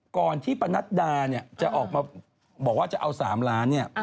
ก่อนที่ประนัดดาจะออกมาบอกว่าจะเอา๓ล้าน